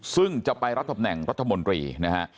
ซึ่งจะไปรับตำแหน่งรัฐมนตรีนะฮะ